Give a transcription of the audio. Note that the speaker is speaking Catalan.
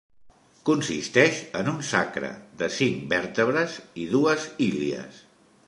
Consisteix en un sacre, de cinc vèrtebres, i dues ilies.